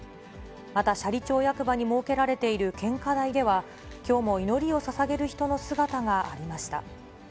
また斜里町役場に設けられている献花台では、きょうも祈りをささげる人の姿がありました。